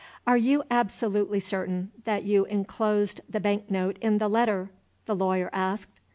"Are you absolutely certain that you inclosed the bank note in the letter?" the lawyer asked.